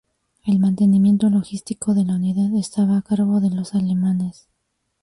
El mantenimiento logístico de la unidad estaba a cargo de los alemanes.